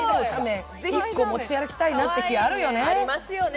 ぜひ１個、持ち歩きたいっていう日ありますよね。